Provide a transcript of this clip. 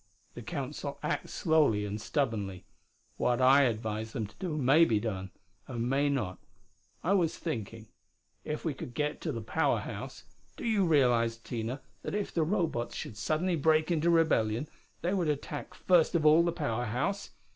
The Council acts slowly and stubbornly. What I advise them to do may be done, and may not. I was thinking. If we could get to the Power House Do you realize, Tina, that if the Robots should suddenly break into rebellion, they would attack first of all the Power House?